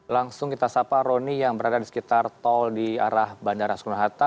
langsung kita sapa roni yang berada di sekitar tol di arah bandara soekarno hatta